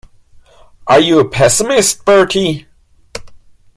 Are you a pessimist, Bertie?